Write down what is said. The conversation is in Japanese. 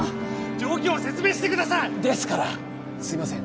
状況を説明してくださいですからすいません